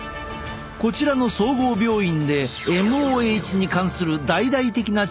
こちらの総合病院でＭＯＨに関する大々的な調査が実施された。